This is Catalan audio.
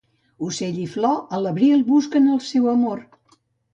Ocell i flor, a l'abril busquen el seu amor.